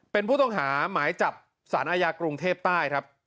เป็นผู้ต้องหาหมายจับสารอาญากรุงเทพใต้ครับ